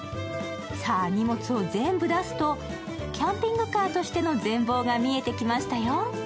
さあ、荷物を全部出すとキャンピングカーとしての全貌が見えてきましたよ。